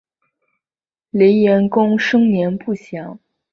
雷彦恭生年不详。